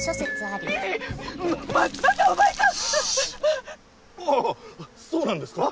ああそうなんですか！